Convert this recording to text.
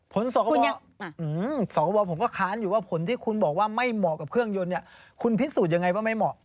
สวสคบผมก็ค้านอยู่ว่าผลที่คุณบอกว่าไม่เหมาะกับเครื่องยนต์เนี่ยคุณพิสูจน์ยังไงว่าไม่เหมาะ